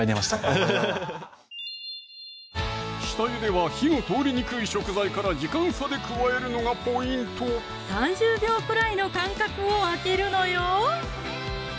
フフフフッ下ゆでは火の通りにくい食材から時間差で加えるのがポイント３０秒くらいの間隔を空けるのよ